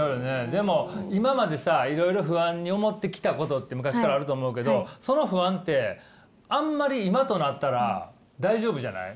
でも今までさいろいろ不安に思ってきたことって昔からあると思うけどその不安ってあんまりあっ確かに。